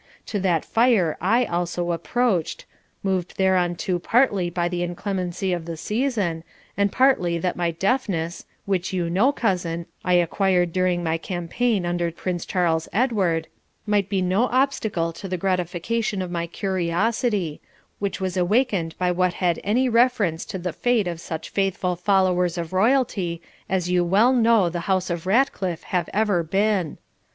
To that fire I also approached, moved thereunto partly by the inclemency of the season, and partly that my deafness, which you know, cousin, I acquired during my campaign under Prince Charles Edward, might be no obstacle to the gratification of my curiosity, which was awakened by what had any reference to the fate of such faithful followers of royalty as you well know the house of Ratcliff have ever been.